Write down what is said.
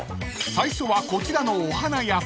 ［最初はこちらのお花屋さん］